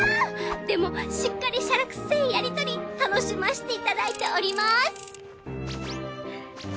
でもしっかりしゃらくせえやり取り楽しませていただいております！